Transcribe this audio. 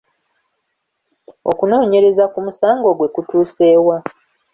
Okunoonyereza ku musango gwe kutuuse wa?